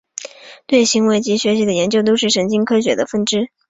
对行为及学习的研究都是神经科学的分支。